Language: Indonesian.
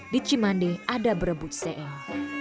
di cimande ada berebut se eng